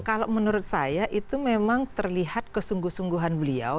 kalau menurut saya itu memang terlihat kesungguh sungguhan beliau